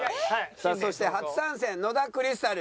さあそして初参戦野田クリスタル。